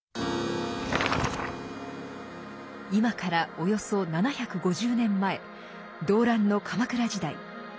今からおよそ７５０年前動乱の鎌倉時代。